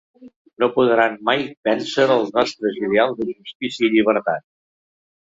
No podran mai vèncer els nostres ideals de justícia i llibertat.